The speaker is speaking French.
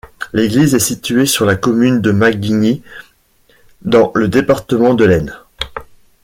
L'église est située sur la commune de Macquigny, dans le département de l'Aisne.